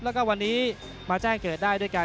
และวันนี้มาแจ้งเกิดได้ด้วยการ